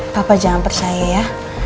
papa jangan percaya ya